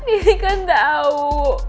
ini kan tau